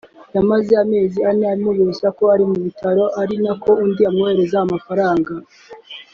yamaze amezi ane amubeshya ko ari mu bitaro ari na ko undi amwoherereza amafaranga